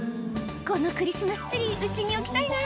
「このクリスマスツリー家に置きたいな」